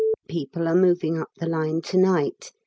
people are moving up the line to night.